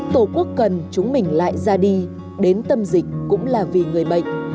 tổ quốc cần chúng mình lại ra đi đến tâm dịch cũng là vì người bệnh